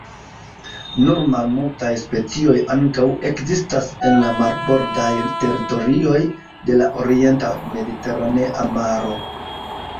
Nur malmultaj specioj ankaŭ ekzistas en la marbordaj teritorioj de la orienta Mediteranea Maro.